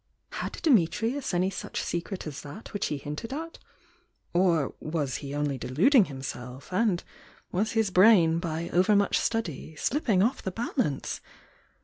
Had Dimitrius any such secret as that which he hinted ftt?— or was he only deluding himself, and was his brain, by over much study, slipping off the balance?